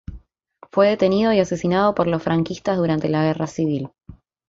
Fue detenido y asesinado por los franquistas durante la Guerra Civil.